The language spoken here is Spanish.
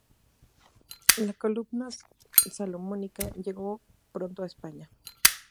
La columna salomónica llegó pronto a España.